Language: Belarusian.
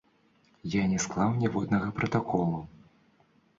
Я не склаў ніводнага пратаколу.